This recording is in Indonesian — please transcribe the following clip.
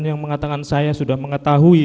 yang mengatakan saya sudah mengetahui